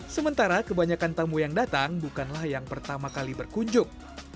sementara kebanyakan tamu yang datang bukanlah yang pertama kali berkunjung